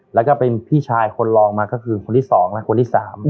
แล้วก็เป็นพี่ชายคนรองมาก็คือคนที่๒และคนที่๓